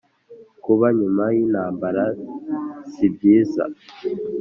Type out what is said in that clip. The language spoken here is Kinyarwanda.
kuba nyuma y intambara sibyiza